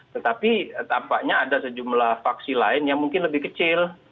tetapi tampaknya ada sejumlah vaksi lain yang mungkin lebih kecil